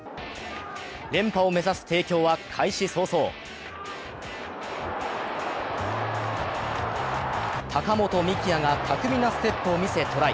連覇を目指す帝京は開始早々高本幹也が巧みなステップを見せトライ。